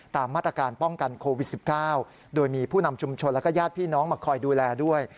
ตามมาตรการป้องกันโควิด๑๙โดยมีผู้นำชุมชนแล้วก็ญาติพี่น้องมาคอยดูแลด้วย